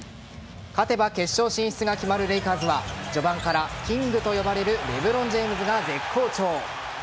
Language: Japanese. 勝てば決勝進出が決まるレイカーズは４番からキングと呼ばれるレブロン・ジェームズが絶好調。